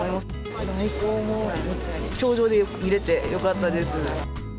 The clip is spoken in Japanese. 御来光も頂上で見れてよかったです。